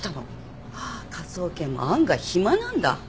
科捜研も案外暇なんだ。